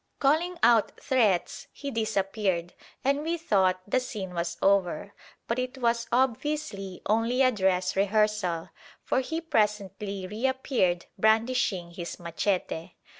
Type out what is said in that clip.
Calling out threats, he disappeared, and we thought the scene was over; but it was obviously only a dress rehearsal, for he presently reappeared brandishing his machete.